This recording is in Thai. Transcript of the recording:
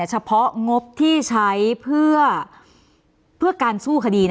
เฉพาะงบที่ใช้เพื่อการสู้คดี